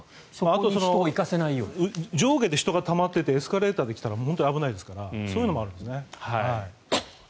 あと上下で人がたまっていてエスカレーターできたらもう本当に危ないですからそういうのもあるんですね。